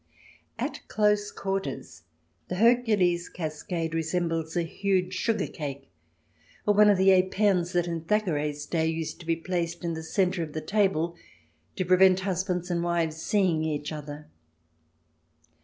xv At close quarters the Hercules Cascade resembles a huge sugar cake, or one of the epergnes that in Thackeray's day used to be placed in the centre of the table to prevent husbands and wives seeing each other.